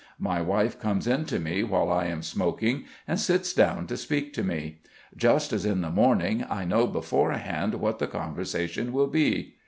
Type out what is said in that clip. My wife comes into me while I am smoking and sits down to speak to me. Just as in the morning, I know beforehand what the conversation will be.